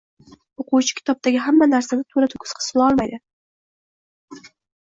O’quvchi kitobdagi hamma narsani to’la-to’kis his qilolmaydi…